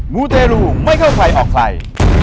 มูเตรูไม่เข้าใครออกใคร